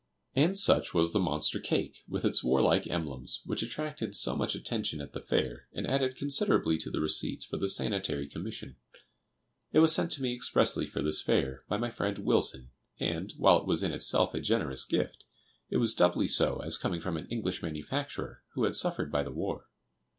And such was the monster cake, with its warlike emblems, which attracted so much attention at the Fair, and added considerably to the receipts for the Sanitary Commission. It was sent to me expressly for this Fair, by my friend Wilson, and, while it was in itself a generous gift, it was doubly so as coming from an English manufacturer who had suffered by the war.